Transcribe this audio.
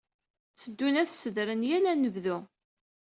Tteddun ad sedren yal anebdu.